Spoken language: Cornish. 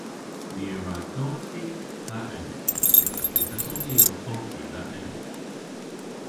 Ni a wra golghi dha enep. Yth eson ni ow kolghi dha enep.